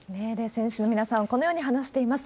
選手の皆さん、このように話しています。